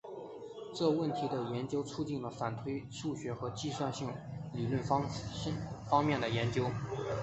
该问题的研究促进了反推数学和计算性理论方面的研究。